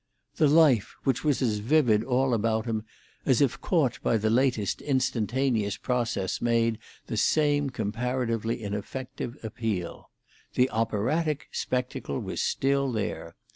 The life which was as vivid all about him as if caught by the latest instantaneous process made the same comparatively ineffective appeal. The operatic spectacle was still there.